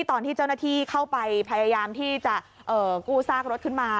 ตอนที่เจ้าหน้าที่เข้าไปพยายามที่จะกู้ซากรถขึ้นมา